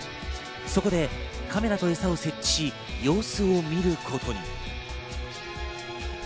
そこでカメラとエサを設置し、様子を見ることに。